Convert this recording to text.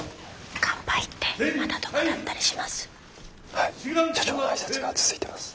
はい社長の挨拶が続いています。